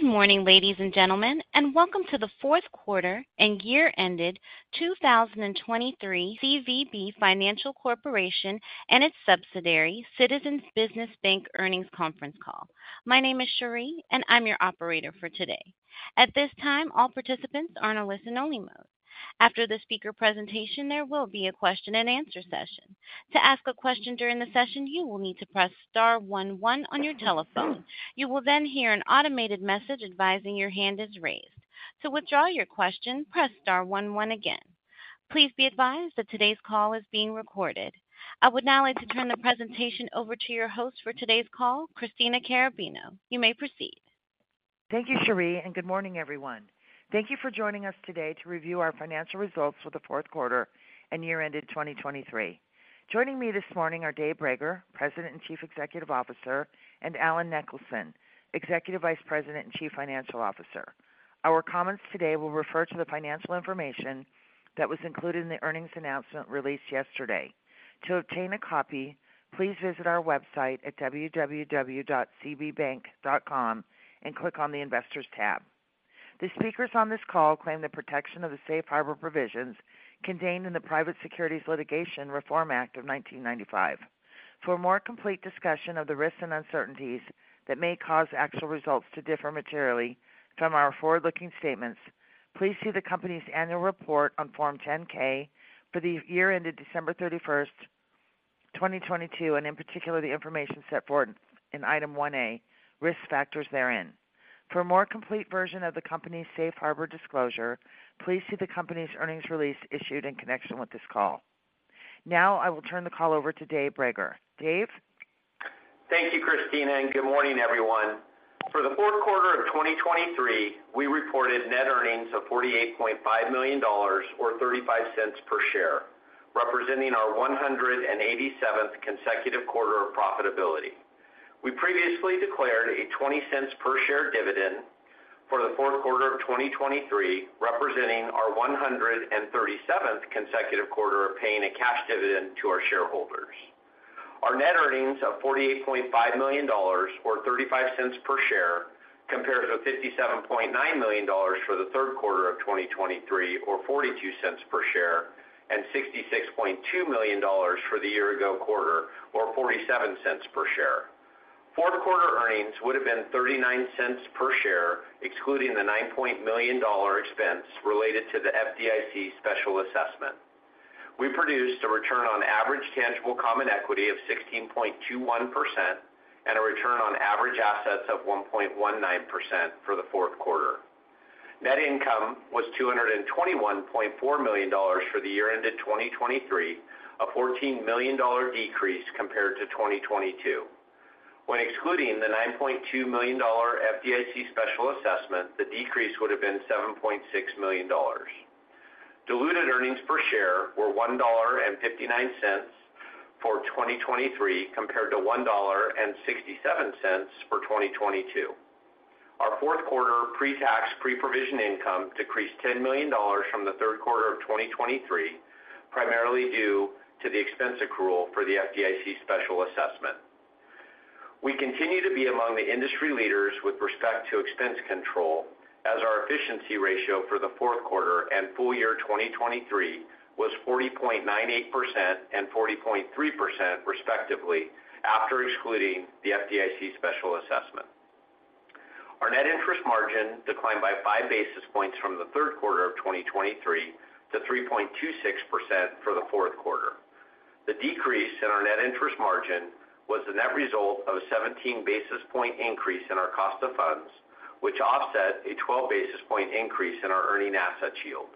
Good morning, ladies and gentlemen, and welcome to the fourth quarter and year-ended 2023 CVB Financial Corporation and its subsidiary, Citizens Business Bank Earnings Conference Call. My name is Cherie, and I'm your operator for today. At this time, all participants are in a listen-only mode. After the speaker presentation, there will be a question-and-answer session. To ask a question during the session, you will need to press star one one on your telephone. You will then hear an automated message advising your hand is raised. To withdraw your question, press star one one again. Please be advised that today's call is being recorded. I would now like to turn the presentation over to your host for today's call, Christina Carrabino. You may proceed. Thank you, Cherie, and good morning, everyone. Thank you for joining us today to review our financial results for the fourth quarter and year ended 2023. Joining me this morning are Dave Brager, President and Chief Executive Officer, and Allen Nicholson, Executive Vice President and Chief Financial Officer. Our comments today will refer to the financial information that was included in the earnings announcement released yesterday. To obtain a copy, please visit our website at www.cbbank.com and click on the Investors tab. The speakers on this call claim the protection of the safe harbor provisions contained in the Private Securities Litigation Reform Act of 1995. For a more complete discussion of the risks and uncertainties that may cause actual results to differ materially from our forward-looking statements, please see the company's annual report on Form 10-K for the year ended December 31, 2022, and in particular, the information set forward in Item 1A, Risk Factors therein. For a more complete version of the company's safe harbor disclosure, please see the company's earnings release issued in connection with this call. Now, I will turn the call over to Dave Brager. Dave? Thank you, Christina, and good morning, everyone. For the fourth quarter of 2023, we reported net earnings of $48.5 million or $0.35 per share, representing our 187th consecutive quarter of profitability. We previously declared a $0.20 per share dividend for the fourth quarter of 2023, representing our 137th consecutive quarter of paying a cash dividend to our shareholders. Our net earnings of $48.5 million or $0.35 per share compares to $57.9 million for the third quarter of 2023, or $0.42 per share, and $66.2 million for the year ago quarter, or $0.47 per share. Fourth quarter earnings would have been $0.39 per share, excluding the $9 million expense related to the FDIC special assessment. We produced a return on average tangible common equity of 16.21% and a return on average assets of 1.19% for the fourth quarter. Net income was $221.4 million for the year ended 2023, a $14 million decrease compared to 2022. When excluding the $9.2 million FDIC special assessment, the decrease would have been $7.6 million. Diluted earnings per share were $1.59 for 2023, compared to $1.67 for 2022. Our fourth quarter pre-tax, pre-provision income decreased $10 million from the third quarter of 2023, primarily due to the expense accrual for the FDIC special assessment. We continue to be among the industry leaders with respect to expense control, as our efficiency ratio for the fourth quarter and full year 2023 was 40.98% and 40.3%, respectively, after excluding the FDIC special assessment. Our net interest margin declined by 5 basis points from the third quarter of 2023 to 3.26% for the fourth quarter. The decrease in our net interest margin was the net result of a 17 basis point increase in our cost of funds, which offset a 12 basis point increase in our earning asset yield.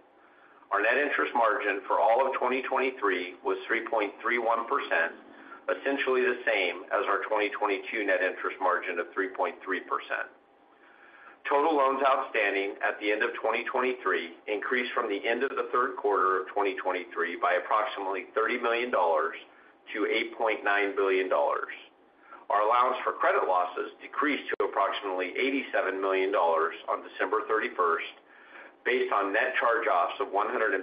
Our net interest margin for all of 2023 was 3.31%, essentially the same as our 2022 net interest margin of 3.3%. Total loans outstanding at the end of 2023 increased from the end of the third quarter of 2023 by approximately $30 million to $8.9 billion. Our allowance for credit losses decreased to approximately $87 million on December 31, based on net charge-offs of $153,000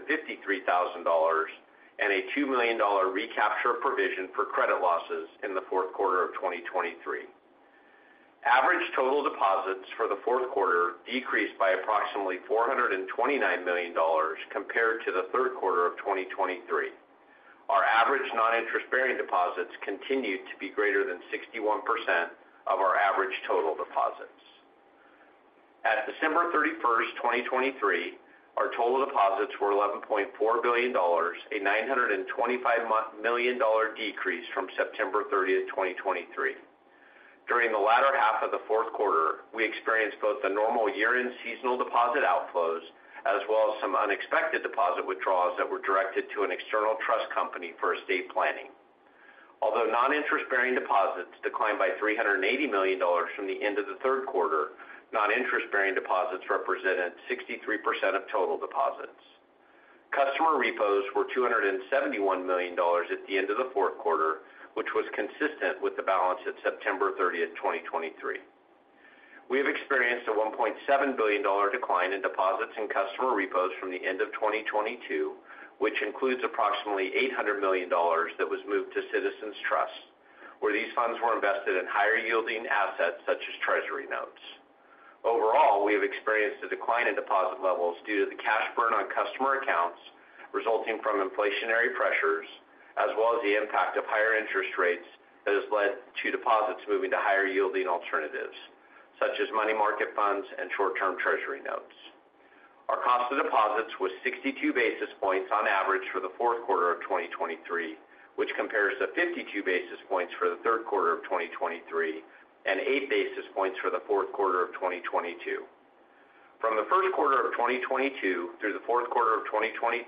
and a $2 million recapture provision for credit losses in the fourth quarter of 2023. Average total deposits for the fourth quarter decreased by approximately $429 million compared to the third quarter of 2023. Our average non-interest-bearing deposits continued to be greater than 61% of our average total deposits. At December 31, 2023, our total deposits were $11.4 billion, a $925 million decrease from September 30, 2023. During the latter half of the fourth quarter, we experienced both the normal year-end seasonal deposit outflows as well as some unexpected deposit withdrawals that were directed to an external trust company for estate planning. Although non-interest-bearing deposits declined by $380 million from the end of the third quarter, non-interest-bearing deposits represented 63% of total deposits. Customer repos were $271 million at the end of the fourth quarter, which was consistent with the balance at September 30, 2023. We have experienced a $1.7 billion decline in deposits and customer repos from the end of 2022, which includes approximately $800 million that was moved to CitizensTrust, where these funds were invested in higher-yielding assets such as Treasury notes. Overall, we have experienced a decline in deposit levels due to the cash burn on customer accounts, resulting from inflationary pressures, as well as the impact of higher interest rates that has led to deposits moving to higher-yielding alternatives, such as money market funds and short-term Treasury notes. Our cost of deposits was 62 basis points on average for the fourth quarter of 2023, which compares to 52 basis points for the third quarter of 2023 and 8 basis points for the fourth quarter of 2022. From the first quarter of 2022 through the fourth quarter of 2023,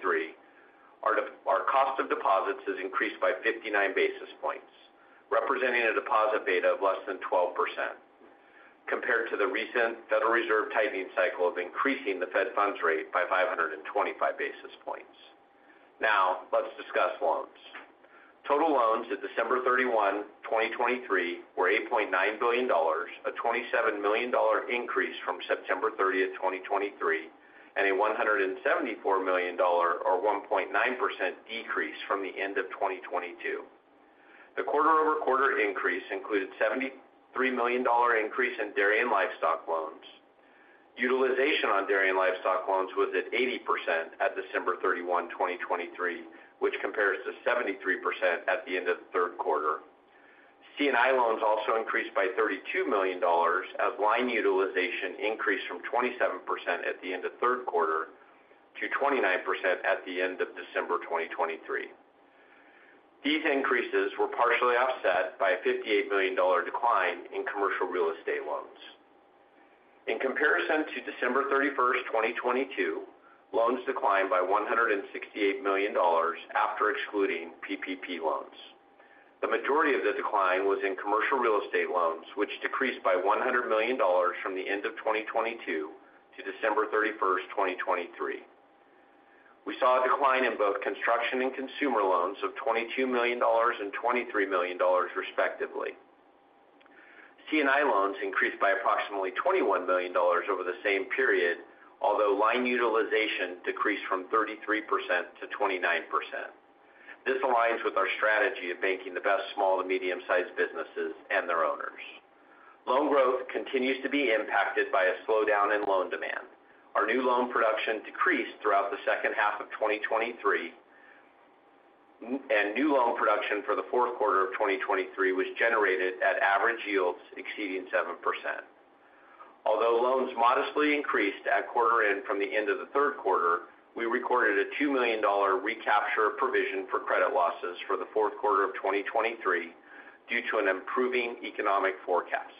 our cost of deposits has increased by 59 basis points, representing a deposit beta of less than 12% compared to the recent Federal Reserve tightening cycle of increasing the Fed funds rate by 525 basis points. Now, let's discuss loans. Total loans at December 31, 2023, were $8.9 billion, a $27 million increase from September 30, 2023, and a $174 million or 1.9% decrease from the end of 2022. The quarter-over-quarter increase included $73 million increase in dairy and livestock loans. Utilization on dairy and livestock loans was at 80% at December 31, 2023, which compares to 73% at the end of the third quarter. C&I loans also increased by $32 million, as line utilization increased from 27% at the end of third quarter to 29% at the end of December 2023. These increases were partially offset by a $58 million decline in commercial real estate loans. In comparison to December 31, 2022, loans declined by $168 million after excluding PPP loans. The majority of the decline was in commercial real estate loans, which decreased by $100 million from the end of 2022 to December 31, 2023. We saw a decline in both construction and consumer loans of $22 million and $23 million, respectively. C&I loans increased by approximately $21 million over the same period, although line utilization decreased from 33% to 29%. This aligns with our strategy of banking the best small to medium-sized businesses and their owners. Loan growth continues to be impacted by a slowdown in loan demand. Our new loan production decreased throughout the second half of 2023, and new loan production for the fourth quarter of 2023 was generated at average yields exceeding 7%. Although loans modestly increased at quarter end from the end of the third quarter, we recorded a $2 million recapture provision for credit losses for the fourth quarter of 2023 due to an improving economic forecast.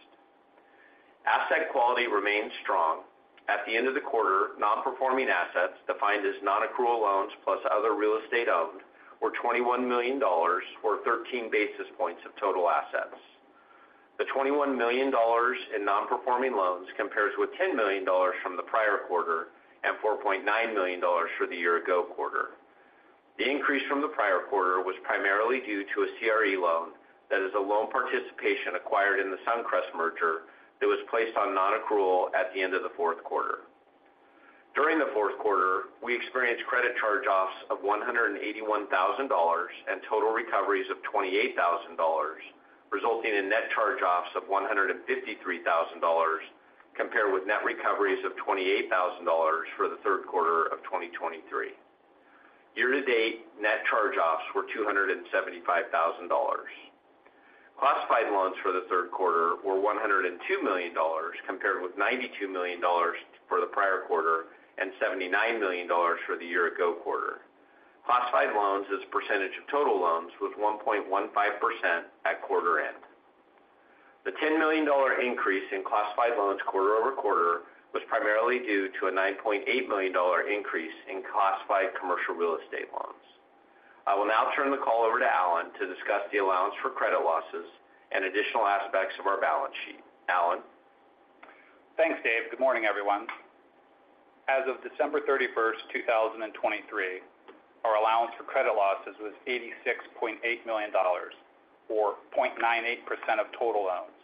Asset quality remains strong. At the end of the quarter, non-performing assets, defined as nonaccrual loans plus other real estate owned, were $21 million or 13 basis points of total assets. The $21 million in non-performing loans compares with $10 million from the prior quarter and $4.9 million for the year-ago quarter. The increase from the prior quarter was primarily due to a CRE loan that is a loan participation acquired in the Suncrest merger that was placed on nonaccrual at the end of the fourth quarter. During the fourth quarter, we experienced credit charge-offs of $181,000 and total recoveries of $28,000, resulting in net charge-offs of $153,000, compared with net recoveries of $28,000 for the third quarter of 2023. Year-to-date, net charge-offs were $275,000. Classified loans for the third quarter were $102 million, compared with $92 million for the prior quarter and $79 million for the year-ago quarter. Classified loans as a percentage of total loans was 1.15% at quarter end. The $10 million increase in classified loans quarter-over-quarter was primarily due to a $9.8 million increase in classified commercial real estate loans. I will now turn the call over to Allen to discuss the allowance for credit losses and additional aspects of our balance sheet. Allen? Thanks, Dave. Good morning, everyone. As of December 31, 2023, our allowance for credit losses was $86.8 million or 0.98% of total loans,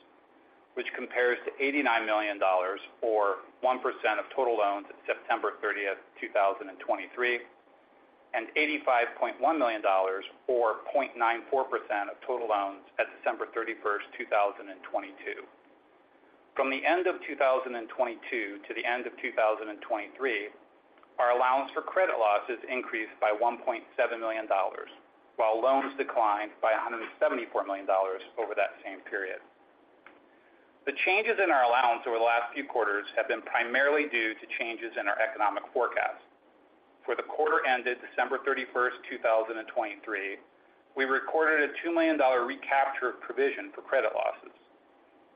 which compares to $89 million or 1% of total loans at September 30, 2023, and $85.1 million or 0.94% of total loans at December 31, 2022. From the end of 2022 to the end of 2023, our allowance for credit losses increased by $1.7 million, while loans declined by $174 million over that same period. The changes in our allowance over the last few quarters have been primarily due to changes in our economic forecast. For the quarter ended December 31, 2023, we recorded a $2 million recapture of provision for credit losses.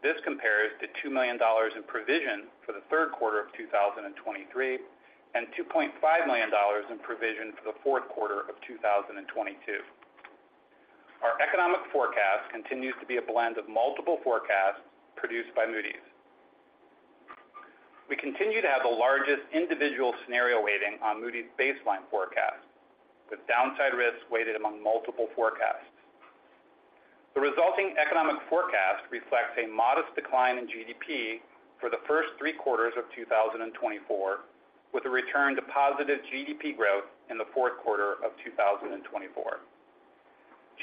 This compares to $2 million in provision for the third quarter of 2023, and $2.5 million in provision for the fourth quarter of 2022. Our economic forecast continues to be a blend of multiple forecasts produced by Moody's. We continue to have the largest individual scenario weighting on Moody's baseline forecast, with downside risks weighted among multiple forecasts. The resulting economic forecast reflects a modest decline in GDP for the first three quarters of 2024.... with a return to positive GDP growth in the fourth quarter of 2024.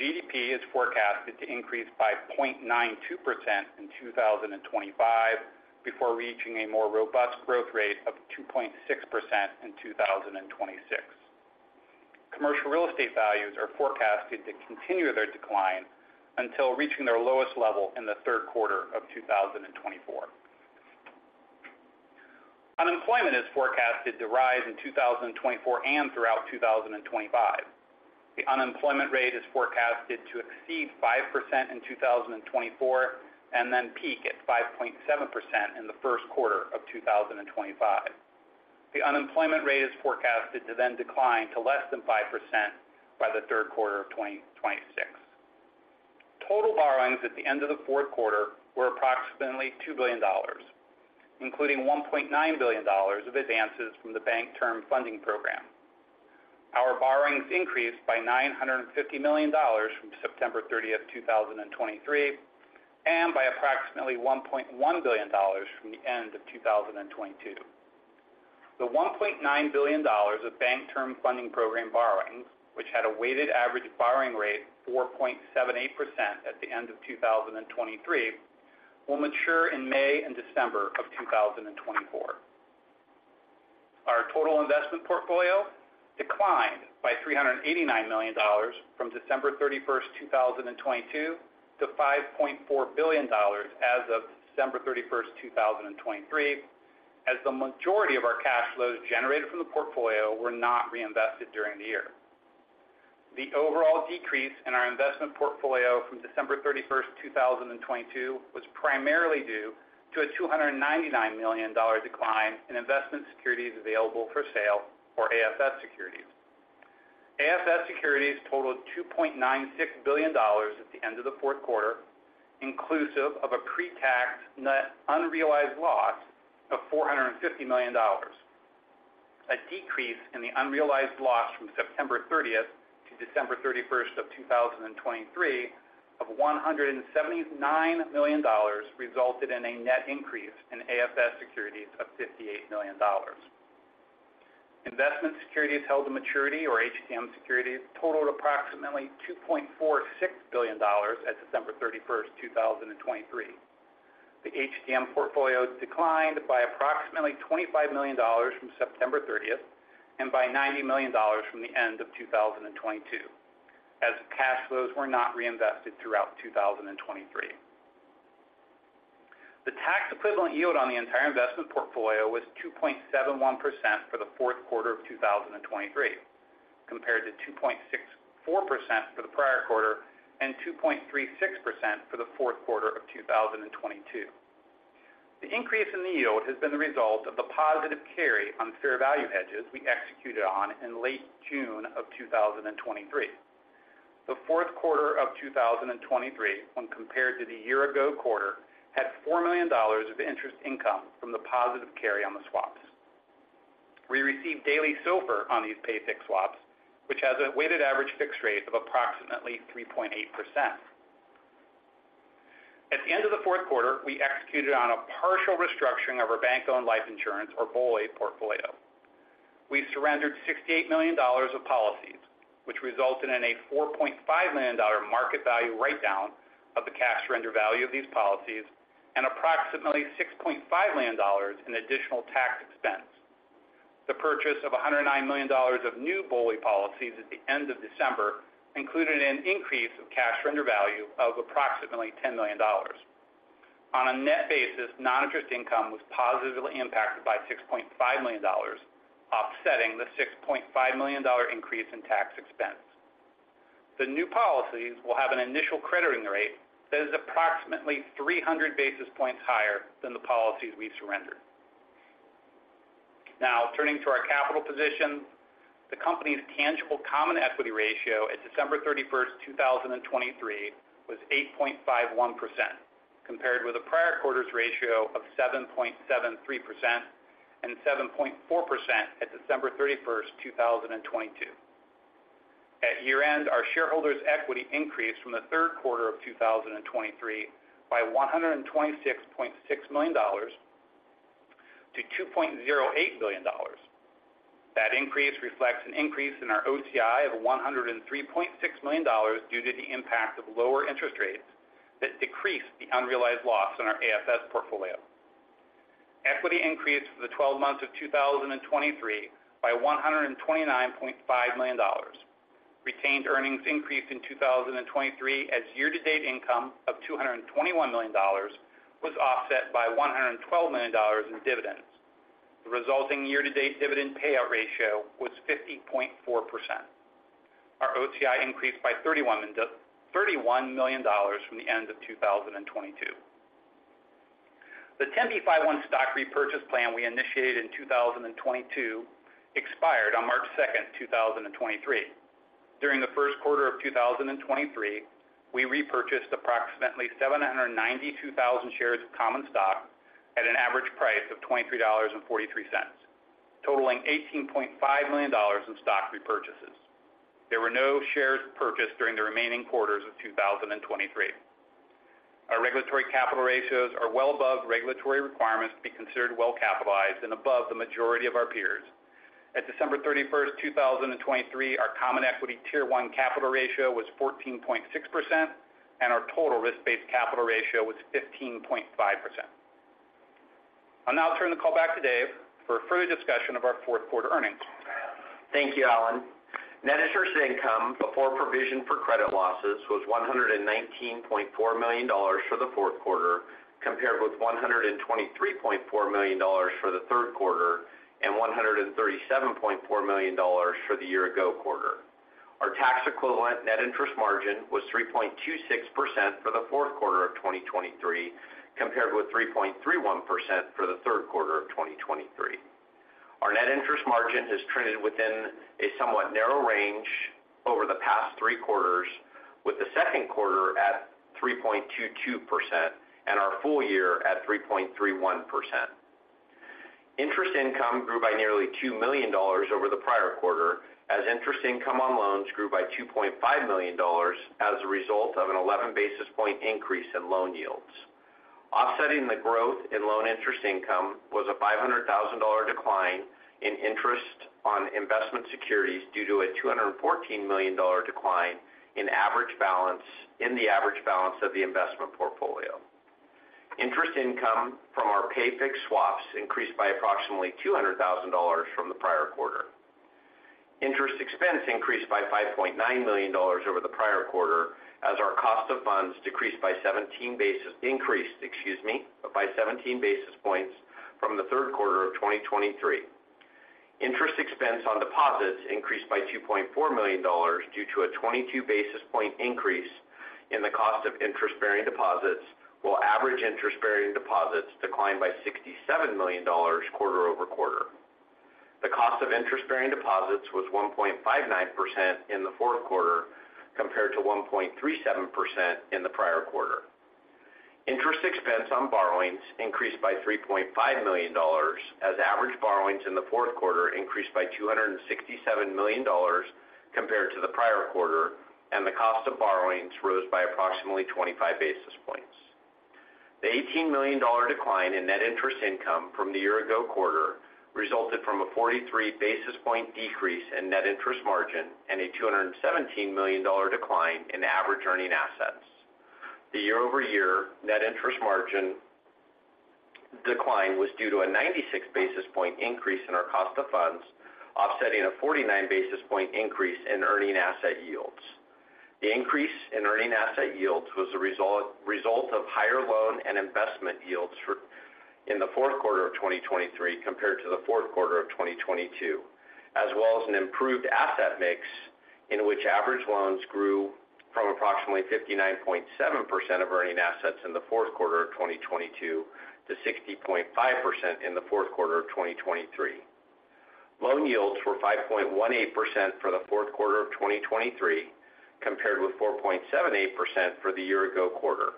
GDP is forecasted to increase by 0.92% in 2025 before reaching a more robust growth rate of 2.6% in 2026. Commercial real estate values are forecasted to continue their decline until reaching their lowest level in the third quarter of 2024. Unemployment is forecasted to rise in 2024 and throughout 2025. The unemployment rate is forecasted to exceed 5% in 2024, and then peak at 5.7% in the first quarter of 2025. The unemployment rate is forecasted to then decline to less than 5% by the third quarter of 2026. Total borrowings at the end of the fourth quarter were approximately $2 billion, including $1.9 billion of advances from the Bank Term Funding Program. Our borrowings increased by $950 million from September 30, 2023, and by approximately $1.1 billion from the end of 2022. The $1.9 billion of Bank Term Funding Program borrowings, which had a weighted average borrowing rate of 4.78% at the end of 2023, will mature in May and December of 2024. Our total investment portfolio declined by $389 million from December 31, 2022, to $5.4 billion as of December 31, 2023, as the majority of our cash flows generated from the portfolio were not reinvested during the year. The overall decrease in our investment portfolio from December 31, 2022, was primarily due to a $299 million decline in investment securities available for sale or AFS securities. AFS securities totaled $2.96 billion at the end of the fourth quarter, inclusive of a pretax net unrealized loss of $450 million. A decrease in the unrealized loss from September 30th to December 31st of 2023 of $179 million resulted in a net increase in AFS securities of $58 million. Investment securities held to maturity or HTM securities totaled approximately $2.46 billion at December 31st, 2023. The HTM portfolio declined by approximately $25 million from September 30th and by $90 million from the end of 2022, as cash flows were not reinvested throughout 2023. The tax equivalent yield on the entire investment portfolio was 2.71% for the fourth quarter of 2023, compared to 2.64% for the prior quarter and 2.36% for the fourth quarter of 2022. The increase in the yield has been the result of the positive carry on fair value hedges we executed on in late June 2023. The fourth quarter 2023, when compared to the year-ago quarter, had $4 million of interest income from the positive carry on the swaps. We received daily SOFR on these pay fixed swaps, which has a weighted average fixed rate of approximately 3.8%. At the end of the fourth quarter, we executed on a partial restructuring of our bank-owned life insurance, or BOLI portfolio. We surrendered $68 million of policies, which resulted in a $4.5 million market value write-down of the cash surrender value of these policies and approximately $6.5 million in additional tax expense. The purchase of $109 million of new BOLI policies at the end of December included an increase of cash surrender value of approximately $10 million. On a net basis, non-interest income was positively impacted by $6.5 million, offsetting the $6.5 million increase in tax expense. The new policies will have an initial crediting rate that is approximately 300 basis points higher than the policies we surrendered. Now, turning to our capital position. The company's tangible common equity ratio at December 31, 2023, was 8.51%, compared with the prior quarter's ratio of 7.73% and 7.4% at December 31, 2022. At year-end, our shareholders' equity increased from the third quarter of 2023 by $126.6 million to $2.08 billion. That increase reflects an increase in our OCI of $103.6 million due to the impact of lower interest rates that decreased the unrealized loss on our AFS portfolio. Equity increased for the 12 months of 2023 by $129.5 million. Retained earnings increased in 2023 as year-to-date income of $221 million was offset by $112 million in dividends. The resulting year-to-date dividend payout ratio was 50.4%. Our OCI increased by 31 million dollars from the end of 2022. The 10b5-1 stock repurchase plan we initiated in 2022 expired on March 2, 2023. During the first quarter of 2023, we repurchased approximately 792,000 shares of common stock at an average price of $23.43, totaling $18.5 million in stock repurchases. There were no shares purchased during the remaining quarters of 2023. Our regulatory capital ratios are well above regulatory requirements to be considered well capitalized and above the majority of our peers. At December 31, 2023, our common equity Tier 1 capital ratio was 14.6%, and our total risk-based capital ratio was 15.5%. I'll now turn the call back to Dave for a further discussion of our fourth quarter earnings. Thank you, Allen. Net interest income before provision for credit losses was $119.4 million for the fourth quarter, compared with $123.4 million for the third quarter and $137.4 million for the year ago quarter. Our tax equivalent net interest margin was 3.26% for the fourth quarter of 2023, compared with 3.31% for the third quarter of 2023. Our net interest margin has trended within a somewhat narrow range over the past three quarters, with the second quarter at 3.22% and our full year at 3.31%. Interest income grew by nearly $2 million over the prior quarter, as interest income on loans grew by $2.5 million as a result of an 11 basis point increase in loan yields. Offsetting the growth in loan interest income was a $500,000 decline in interest on investment securities due to a $214 million decline in the average balance of the investment portfolio. Interest income from our pay fixed swaps increased by approximately $200,000 from the prior quarter. Interest expense increased by $5.9 million over the prior quarter as our cost of funds decreased by 17 basis-- increased, excuse me, by seventeen basis points from the third quarter of 2023. Interest expense on deposits increased by $2.4 million due to a 22 basis points increase in the cost of interest-bearing deposits, while average interest-bearing deposits declined by $67 million quarter-over-quarter. The cost of interest-bearing deposits was 1.59% in the fourth quarter, compared to 1.37% in the prior quarter. Interest expense on borrowings increased by $3.5 million, as average borrowings in the fourth quarter increased by $267 million compared to the prior quarter, and the cost of borrowings rose by approximately 25 basis points. The $18 million decline in net interest income from the year-ago quarter resulted from a 43 basis points decrease in net interest margin and a $217 million decline in average earning assets. The year-over-year net interest margin decline was due to a 96 basis point increase in our cost of funds, offsetting a 49 basis point increase in earning asset yields. The increase in earning asset yields was a result of higher loan and investment yields in the fourth quarter of 2023 compared to the fourth quarter of 2022, as well as an improved asset mix in which average loans grew from approximately 59.7% of earning assets in the fourth quarter of 2022 to 60.5% in the fourth quarter of 2023. Loan yields were 5.18% for the fourth quarter of 2023, compared with 4.78% for the year ago quarter.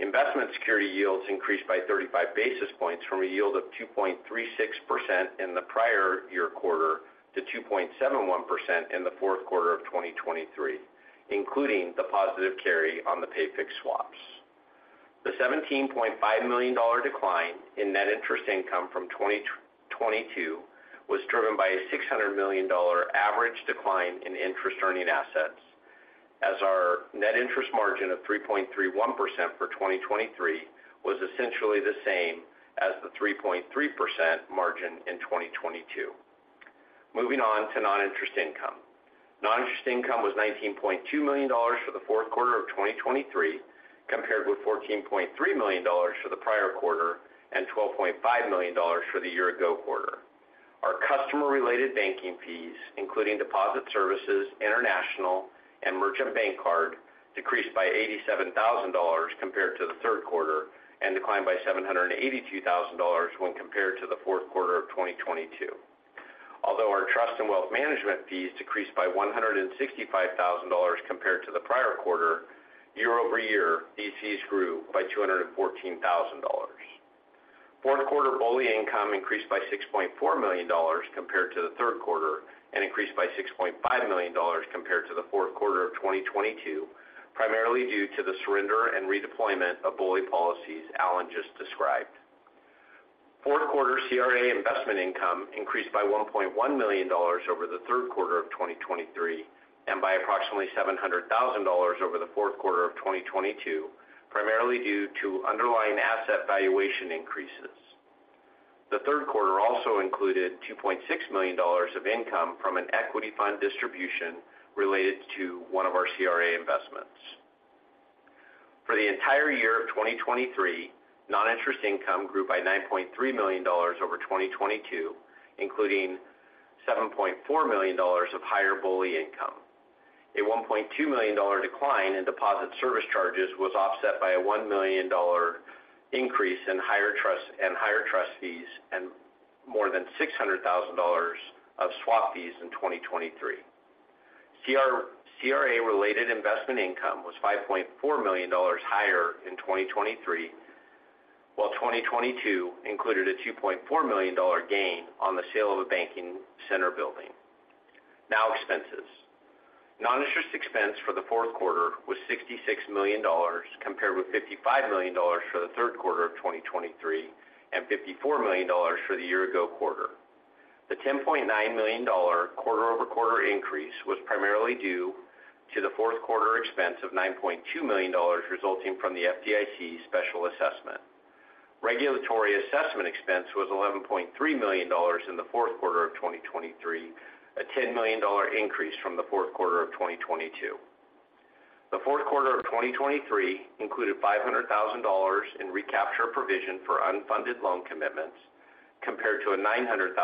Investment security yields increased by 35 basis points from a yield of 2.36% in the prior year quarter to 2.71% in the fourth quarter of 2023, including the positive carry on the pay fixed swaps. The $17.5 million decline in net interest income from 2022 was driven by a $600 million average decline in interest earning assets, as our net interest margin of 3.31% for 2023 was essentially the same as the 3.3% margin in 2022. Moving on to non-interest income. Non-interest income was $19.2 million for the fourth quarter of 2023, compared with $14.3 million for the prior quarter and $12.5 million for the year ago quarter. Our customer-related banking fees, including deposit services, international, and merchant bank card, decreased by $87,000 compared to the third quarter and declined by $782,000 when compared to the fourth quarter of 2022. Although our trust and wealth management fees decreased by $165,000 compared to the prior quarter, year-over-year, these fees grew by $214,000. Fourth quarter BOLI income increased by $6.4 million compared to the third quarter and increased by $6.5 million compared to the fourth quarter of 2022, primarily due to the surrender and redeployment of BOLI policies Allen just described. Fourth quarter CRA investment income increased by $1.1 million over the third quarter of 2023 and by approximately $700,000 over the fourth quarter of 2022, primarily due to underlying asset valuation increases. The third quarter also included $2.6 million of income from an equity fund distribution related to one of our CRA investments. For the entire year of 2023, non-interest income grew by $9.3 million over 2022, including $7.4 million of higher BOLI income. A $1.2 million decline in deposit service charges was offset by a $1 million increase in higher trust fees and more than $600,000 of swap fees in 2023. CRA-related investment income was $5.4 million higher in 2023, while 2022 included a $2.4 million gain on the sale of a banking center building. Now, expenses. Noninterest expense for the fourth quarter was $66 million, compared with $55 million for the third quarter of 2023, and $54 million for the year-ago quarter. The $10.9 million quarter-over-quarter increase was primarily due to the fourth quarter expense of $9.2 million, resulting from the FDIC special assessment. Regulatory assessment expense was $11.3 million in the fourth quarter of 2023, a $10 million increase from the fourth quarter of 2022. The fourth quarter of 2023 included $500,000 in recapture provision for unfunded loan commitments, compared to a $900,000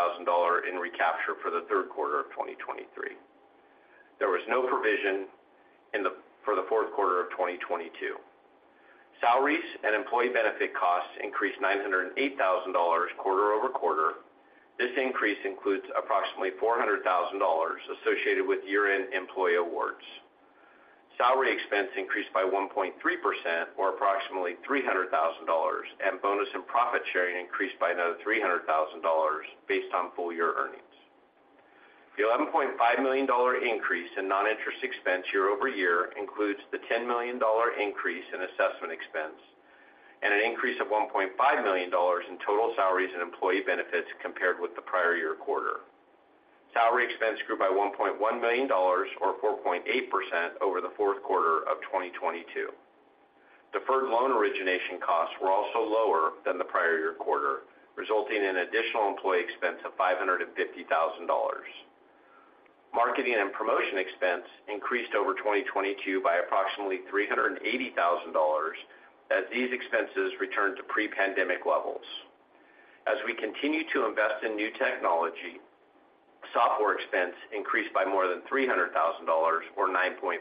in recapture for the third quarter of 2023. There was no provision for the fourth quarter of 2022. Salaries and employee benefit costs increased $908,000 quarter-over-quarter. This increase includes approximately $400,000 associated with year-end employee awards. Salary expense increased by 1.3% or approximately $300,000, and bonus and profit sharing increased by another $300,000 based on full year earnings. The $11.5 million increase in non-interest expense year-over-year includes the $10 million increase in assessment expense, and an increase of $1.5 million in total salaries and employee benefits compared with the prior year quarter. Salary expense grew by $1.1 million or 4.8% over the fourth quarter of 2022. Deferred loan origination costs were also lower than the prior year quarter, resulting in additional employee expense of $550,000. Marketing and promotion expense increased over 2022 by approximately $380,000 as these expenses returned to pre-pandemic levels. As we continue to invest in new technology, software expense increased by more than $300,000 or 9.5%.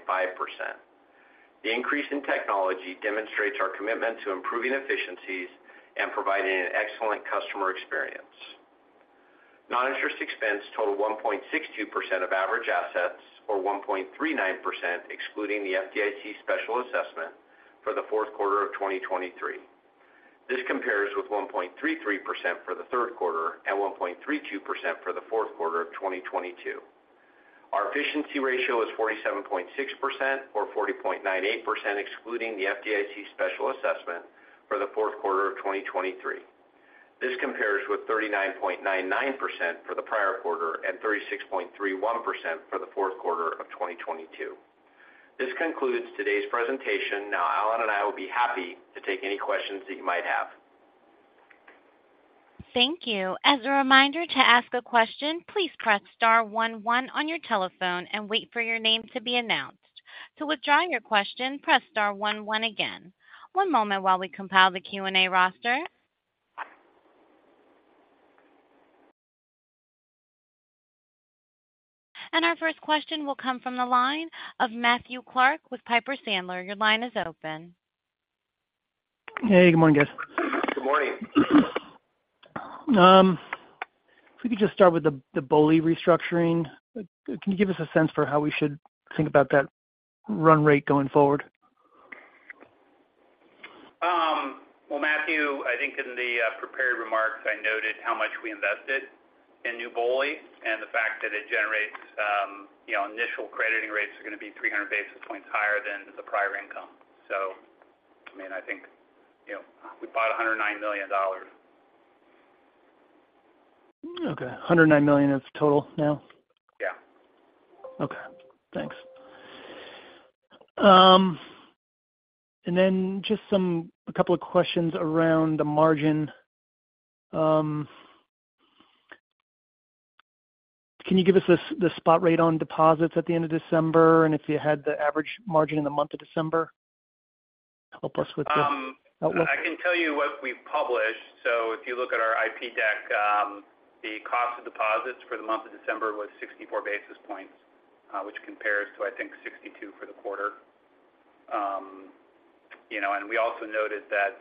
The increase in technology demonstrates our commitment to improving efficiencies and providing an excellent customer experience. Non-interest expense totaled 1.62% of average assets, or 1.39%, excluding the FDIC special assessment for the fourth quarter of 2023. This compares with 1.33% for the third quarter and 1.32% for the fourth quarter of 2022. Our efficiency ratio is 47.6% or 40.98%, excluding the FDIC special assessment for the fourth quarter of 2023. This compares with 39.99% for the prior quarter and 36.31% for the fourth quarter of 2022. This concludes today's presentation. Now, Allen and I will be happy to take any questions that you might have. Thank you. As a reminder to ask a question, please press star one one on your telephone and wait for your name to be announced. To withdraw your question, press star one one again. One moment while we compile the Q&A roster. And our first question will come from the line of Matthew Clark with Piper Sandler. Your line is open. Hey, good morning, guys. Good morning. If we could just start with the BOLI restructuring. Can you give us a sense for how we should think about that run rate going forward? Well, Matthew, I think in the prepared remarks, I noted how much we invested in new BOLI and the fact that it generates, you know, initial crediting rates are going to be 300 basis points higher than the prior income. So, I mean, I think, you know, we bought $109 million. Okay. $109 million is total now? Yeah. Okay, thanks. And then just a couple of questions around the margin. Can you give us the spot rate on deposits at the end of December, and if you had the average margin in the month of December? Help us with the- I can tell you what we've published. So if you look at our IR deck, the cost of deposits for the month of December was 64 basis points, which compares to, I think, 62 for the quarter. You know, and we also noted that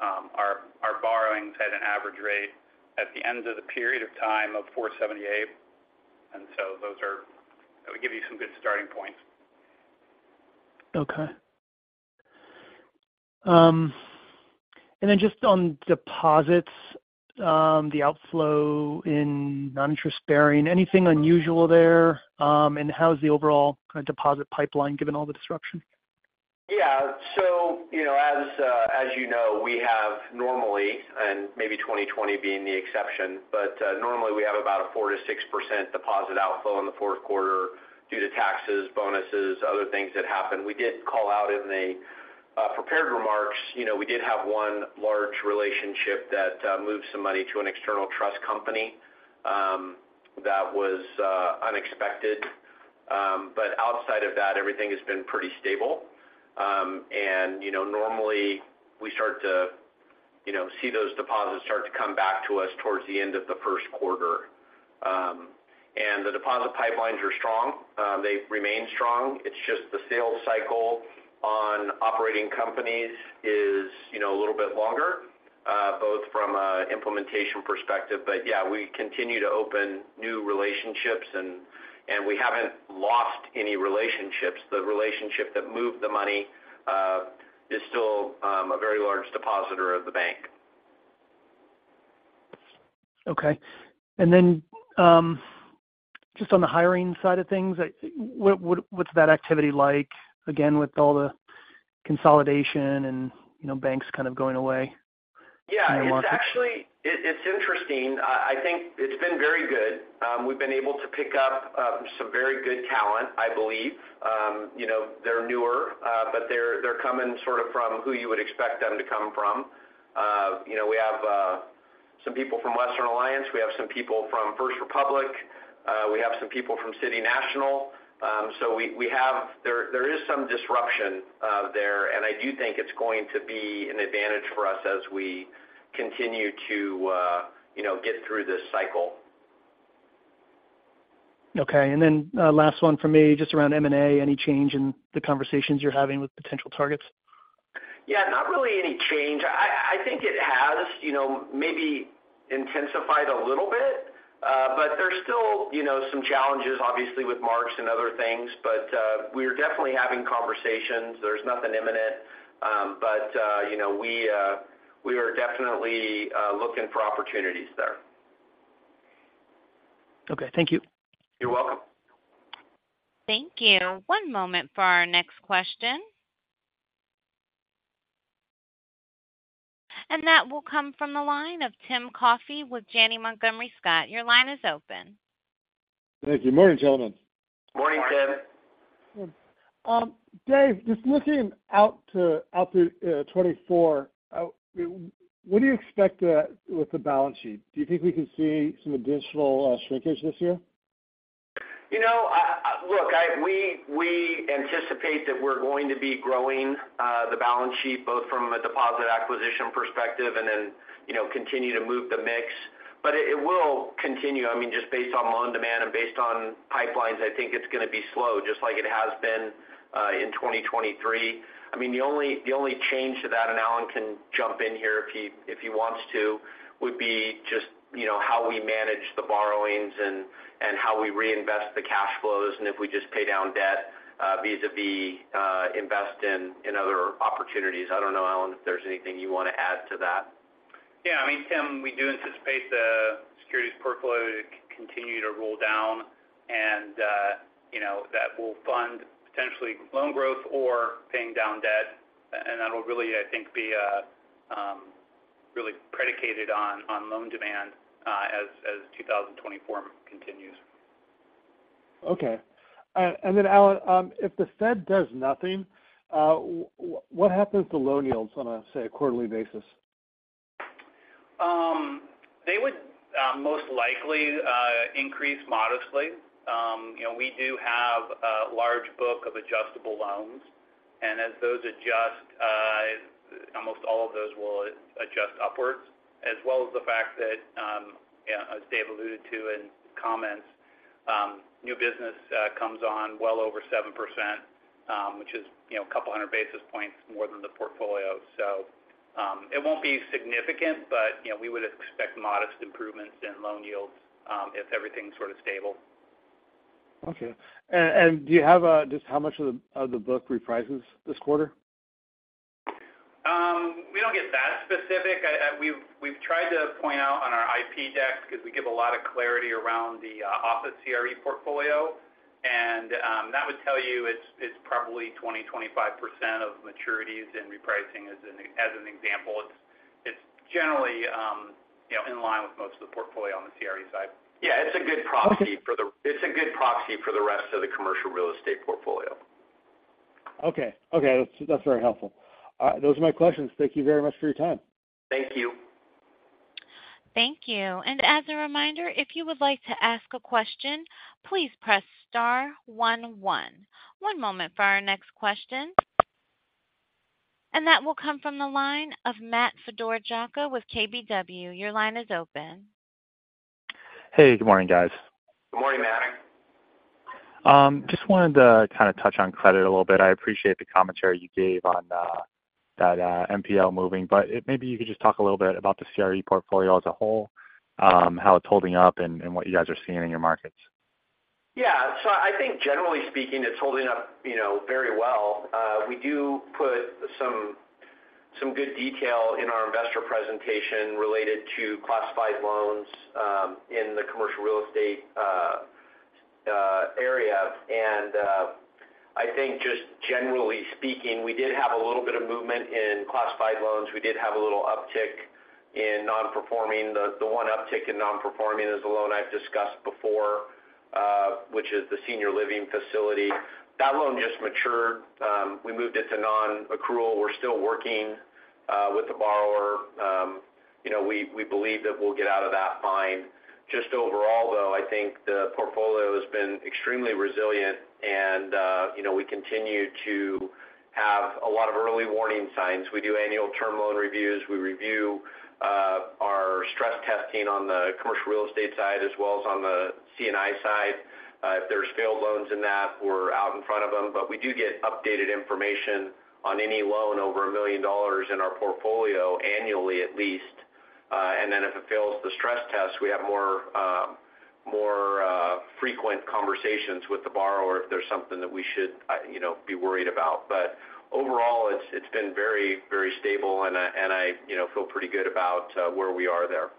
our borrowings had an average rate at the end of the period of time of 4.78, and so those are. That would give you some good starting points. Okay. And then just on deposits, the outflow in noninterest-bearing, anything unusual there? And how's the overall kind of deposit pipeline given all the disruption? Yeah. So, you know, as, as you know, we have normally, and maybe 2020 being the exception, but, normally we have about a 4%-6% deposit outflow in the fourth quarter due to taxes, bonuses, other things that happen. We did call out in the, prepared remarks, you know, we did have one large relationship that, moved some money to an external trust company, that was, unexpected. But outside of that, everything has been pretty stable. And you know, normally we start to, you know, see those deposits start to come back to us towards the end of the first quarter. And the deposit pipelines are strong. They remain strong. It's just the sales cycle on operating companies is, you know, a little bit longer, both from an implementation perspective. But yeah, we continue to open new relationships and, and we haven't lost any relationships. The relationship that moved the money is still a very large depositor of the bank.... Okay. And then, just on the hiring side of things, what's that activity like, again, with all the consolidation and, you know, banks kind of going away in the market? Yeah, it's actually it's interesting. I think it's been very good. We've been able to pick up some very good talent, I believe. You know, they're newer, but they're coming sort of from who you would expect them to come from. You know, we have some people from Western Alliance. We have some people from First Republic. We have some people from City National. So, there is some disruption there, and I do think it's going to be an advantage for us as we continue to, you know, get through this cycle. Okay. And then, last one for me, just around M&A. Any change in the conversations you're having with potential targets? Yeah, not really any change. I, I think it has, you know, maybe intensified a little bit. But there's still, you know, some challenges, obviously, with marks and other things, but we're definitely having conversations. There's nothing imminent. But, you know, we, we are definitely looking for opportunities there. Okay. Thank you. You're welcome. Thank you. One moment for our next question. That will come from the line of Tim Coffey with Janney Montgomery Scott. Your line is open. Thank you. Morning, gentlemen. Morning, Tim. Dave, just looking out through 2024, what do you expect with the balance sheet? Do you think we can see some additional shrinkage this year? You know, look, we anticipate that we're going to be growing the balance sheet, both from a deposit acquisition perspective and then, you know, continue to move the mix. But it will continue, I mean, just based on loan demand and based on pipelines, I think it's going to be slow, just like it has been in 2023. I mean, the only change to that, and Allen can jump in here if he wants to, would be just, you know, how we manage the borrowings and how we reinvest the cash flows, and if we just pay down debt vis-a-vis invest in other opportunities. I don't know, Allen, if there's anything you want to add to that. Yeah, I mean, Tim, we do anticipate the securities portfolio to continue to roll down, and, you know, that will fund potentially loan growth or paying down debt. And that'll really, I think, be really predicated on, on loan demand, as, as 2024 continues. Okay. And then Allen, if the Fed does nothing, what happens to loan yields on a, say, a quarterly basis? They would most likely increase modestly. You know, we do have a large book of adjustable loans, and as those adjust, almost all of those will adjust upwards, as well as the fact that, yeah, as Dave alluded to in comments, new business comes on well over 7%, which is, you know, a couple hundred basis points more than the portfolio. So, it won't be significant, but, you know, we would expect modest improvements in loan yields, if everything's sort of stable. Okay. And do you have just how much of the book reprices this quarter? We don't get that specific. We've tried to point out on our IP decks because we give a lot of clarity around the office CRE portfolio, and that would tell you it's probably 20%-25% of maturities and repricing as an example. It's generally, you know, in line with most of the portfolio on the CRE side. Yeah, it's a good proxy for the- Okay. It's a good proxy for the rest of the commercial real estate portfolio. Okay. Okay, that's, that's very helpful. Those are my questions. Thank you very much for your time. Thank you. Thank you. And as a reminder, if you would like to ask a question, please press star one, one. One moment for our next question. And that will come from the line of Matt Fedorjaka with KBW. Your line is open. Hey, good morning, guys. Good morning, Matt. Just wanted to kind of touch on credit a little bit. I appreciate the commentary you gave on that NPL moving, but maybe you could just talk a little bit about the CRE portfolio as a whole, how it's holding up and what you guys are seeing in your markets. Yeah. I think generally speaking, it's holding up, you know, very well. We do put some good detail in our investor presentation related to classified loans in the commercial real estate area. I think just generally speaking, we did have a little bit of movement in classified loans. We did have a little uptick in non-performing. The one uptick in non-performing is a loan I've discussed before, which is the senior living facility. That loan just matured. We moved it to non-accrual. We're still working with the borrower. You know, we believe that we'll get out of that fine. Just overall, though, I think the portfolio has been extremely resilient and, you know, we continue to have a lot of early warning signs. We do annual term loan reviews. We review our stress testing on the commercial real estate side, as well as on the C&I side. If there's failed loans in that, we're out in front of them. But we do get updated information on any loan over $1 million in our portfolio annually, at least. And then if it fails the stress test, we have more frequent conversations with the borrower if there's something that we should, you know, be worried about. But overall, it's been very, very stable, and you know, feel pretty good about where we are there.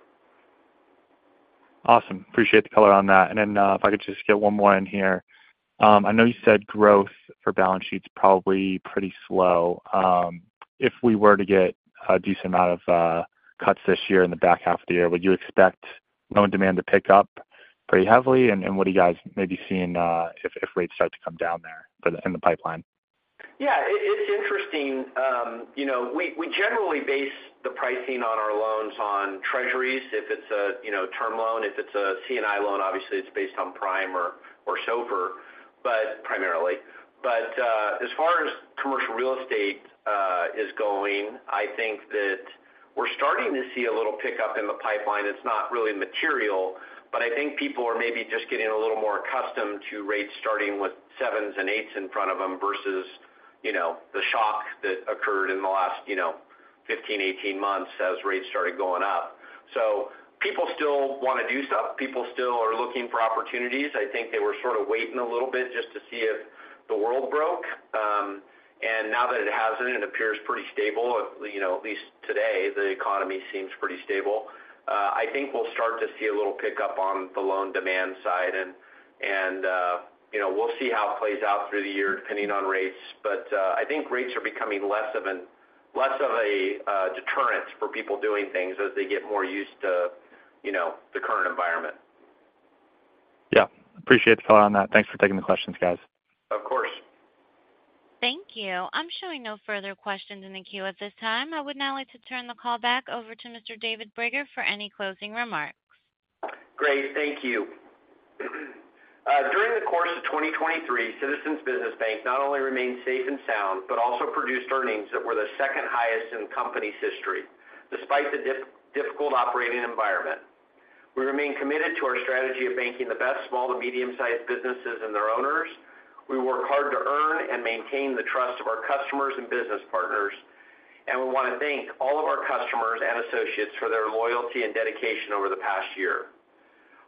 Awesome. Appreciate the color on that. And then, if I could just get one more in here. I know you said growth for balance sheet's probably pretty slow. If we were to get a decent amount of cuts this year in the back half of the year, would you expect loan demand to pick up pretty heavily? And what are you guys maybe seeing, if rates start to come down there but in the pipeline? Yeah, it's interesting. You know, we generally base the pricing on our loans on Treasuries if it's a, you know, term loan. If it's a C&I loan, obviously it's based on prime or SOFR, but primarily. But as far as commercial real estate is going, I think that we're starting to see a little pickup in the pipeline. It's not really material, but I think people are maybe just getting a little more accustomed to rates starting with 7s and 8s in front of them versus, you know, the shock that occurred in the last, you know, 15, 18 months as rates started going up. So people still wanna do stuff. People still are looking for opportunities. I think they were sort of waiting a little bit just to see if the world broke. And now that it hasn't, it appears pretty stable. You know, at least today, the economy seems pretty stable. I think we'll start to see a little pickup on the loan demand side, and you know, we'll see how it plays out through the year, depending on rates. But I think rates are becoming less of a deterrent for people doing things as they get more used to, you know, the current environment. Yeah. Appreciate the follow on that. Thanks for taking the questions, guys. Of course. Thank you. I'm showing no further questions in the queue at this time. I would now like to turn the call back over to Mr. David Brager for any closing remarks. Great, thank you. During the course of 2023, Citizens Business Bank not only remained safe and sound, but also produced earnings that were the second highest in the company's history, despite the difficult operating environment. We remain committed to our strategy of banking the best small to medium-sized businesses and their owners. We work hard to earn and maintain the trust of our customers and business partners, and we wanna thank all of our customers and associates for their loyalty and dedication over the past year.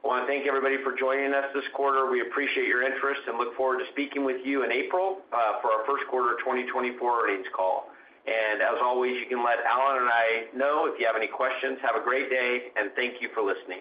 I wanna thank everybody for joining us this quarter. We appreciate your interest and look forward to speaking with you in April for our first quarter of 2024 earnings call. And as always, you can let Allen and I know if you have any questions. Have a great day, and thank you for listening.